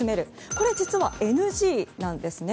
これ、実はＮＧなんです。